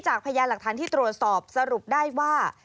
พยานหลักฐานที่ตรวจสอบสรุปได้ว่า